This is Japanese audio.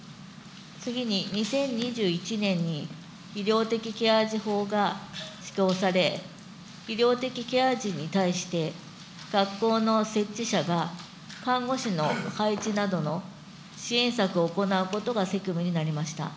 次に２０２１年に医療的ケア児法が施行され、医療的ケア児に対して、学校の設置者が看護師の配置などの支援策を行うことが責務になりました。